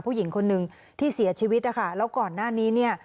ผู้หญิงคนหนึ่งที่เสียชีวิตนะคะแล้วก่อนหน้านี้เนี่ย